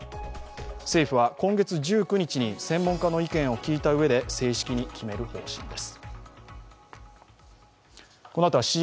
政府は今月１９日に専門家の意見を聞いたうえで正式に決める方針です。